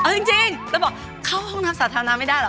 เอาจริงแล้วบอกเข้าห้องน้ำสาธารณะไม่ได้เหรอ